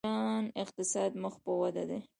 د ایران اقتصاد مخ په وده دی.